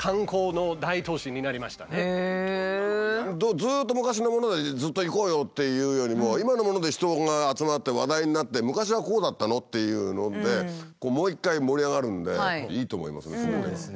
ずっと昔のものでずっといこうよっていうよりも今のもので人が集まって話題になって昔はこうだったのっていうのでもう一回盛り上がるんでいいと思いますね。